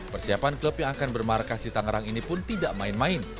persiapan klub yang akan bermarkas di tangerang ini pun tidak main main